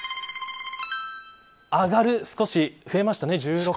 上がる少し増えましたね１６％。